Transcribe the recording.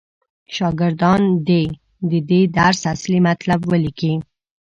شاګردان دې د دې درس اصلي مطلب ولیکي.